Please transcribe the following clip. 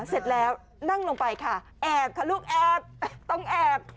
เสร็จแล้วนั่งลงไปค่ะแอบค่ะลูกแอบต้องแอบ